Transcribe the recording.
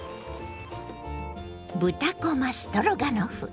「豚こまストロガノフ」。